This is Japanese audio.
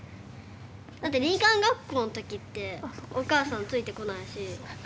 だって林間学校の時ってお母さんついてこないし。